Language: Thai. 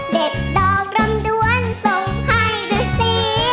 เด็ดดอกรำด้วนส่งให้ดูสิ